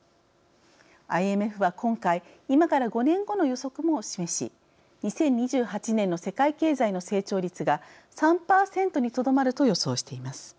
ＩＭＦは今回今から５年後の予測も示し２０２８年の世界経済の成長率が３％にとどまると予想しています。